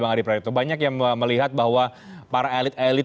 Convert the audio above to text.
banyak yang melihat bahwa para elit elit